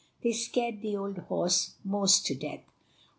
They scared the old horse most to death."